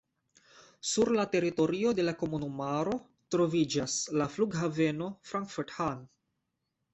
Sur la teritorio de la komunumaro troviĝas la flughaveno Frankfurt-Hahn.